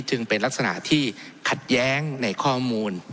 จึงเป็นลักษณะที่ขัดแย้งในข้อมูล